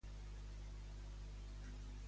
Què fa Frank Ripploh un cop s'ha llevat?